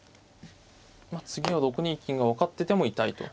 まあ次は６二金が分かってても痛いと。